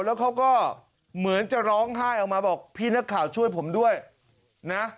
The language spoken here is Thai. แล้วเขาก็เหมือนจะร้องไห้ออกมาบอกพี่นักข่าวช่วยผมด้วยนะ